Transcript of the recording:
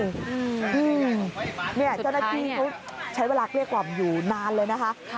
เจ้าหน้าที่ก็ใช้เวลาเรียกว่าอยู่นานเลยนะคะ